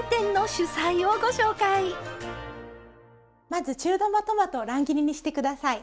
まず中玉トマトを乱切りにして下さい。